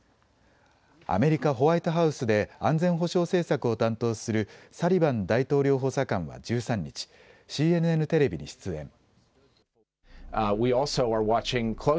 アメリカ・ホワイトハウスで安全保障政策を担当するサリバン大統領補佐官は１３日、ＣＮＮテレビに出演。